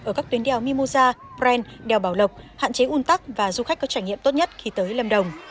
ở các tuyến đèo mimosa pren đèo bảo lộc hạn chế un tắc và du khách có trải nghiệm tốt nhất khi tới lâm đồng